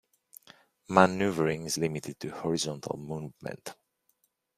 Maneuvering is limited to horizontal movement.